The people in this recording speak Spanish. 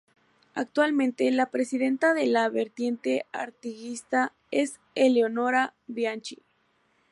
Actualmente la presidenta de la Vertiente Artiguista es Eleonora Bianchi.